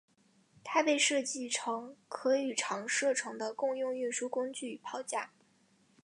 它被设计成可与长射程的共用运输工具与炮架。